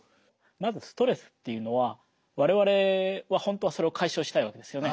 まずストレスっていうのは我々は本当はそれを解消したいわけですよね。